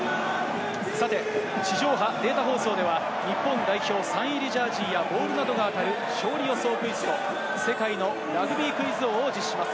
さて地上波データ放送では、日本代表サイン入りジャージーやボールなどが当たる、勝利予想クイズと世界のラグビークイズ王を実施します。